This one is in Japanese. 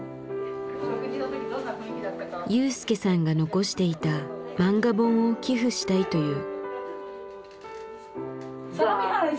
雄介さんが残していたマンガ本を寄付したいという。